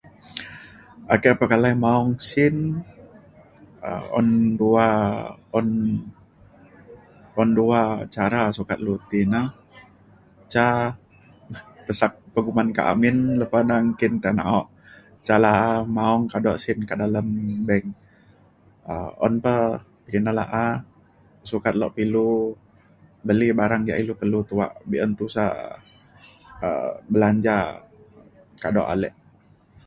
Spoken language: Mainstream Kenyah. ake pekalai maong sin um un dua un ban dua cara sukat lu ti na. ca pesak penguman kak amin lepa na nggin ta naok ca la'a maong kado sin ka dalem bank. um un pa kina la'a sukat lok pa ilu beli barang ia' ilu perlu tuak. be'un tusa um belanja kado ale.